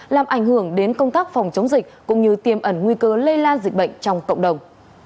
làm ảnh hưởng đến công tác phòng chống dịch cũng như tiêm ẩn nguy cơ lây lan dịch bệnh trong cộng đồng